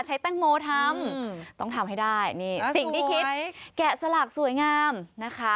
ใช้แตงโมทำต้องทำให้ได้นี่สิ่งที่คิดแกะสลักสวยงามนะคะ